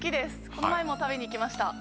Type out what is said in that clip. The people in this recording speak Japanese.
この前も食べに行きました。